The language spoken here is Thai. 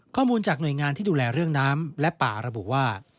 ข้อมูลจากหน่วยงานที่ดูแลเรื่องน้ำและป่าระบุว่า